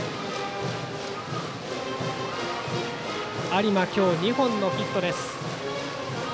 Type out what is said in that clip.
有馬、今日２本のヒットです。